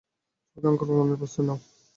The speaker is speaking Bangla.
সবাই আক্রমণের প্রস্তুতি নাও!